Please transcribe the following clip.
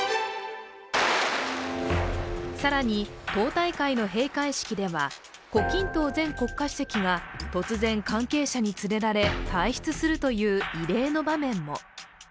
更に党大会の閉会式では胡錦濤前国家主席が突然関係者に連れられ、退室するといういれい之場面も。